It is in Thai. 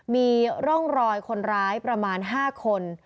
มีร่องรอยคนร้ายประมาณ๕คน